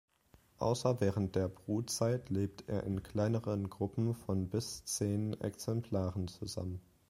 Außer während der Brutzeit lebt er in kleineren Gruppen von bis zehn Exemplaren zusammen.